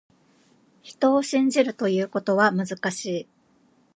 人を信じるということは、難しい。